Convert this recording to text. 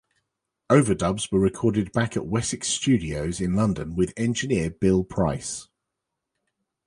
Overdubs were recorded back at Wessex Studios in London with engineer Bill Price.